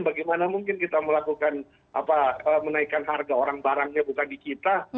bagaimana mungkin kita melakukan apa menaikkan harga orang barangnya bukan di kita